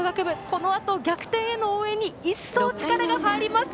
このあと逆転への応援に一層、力が入ります。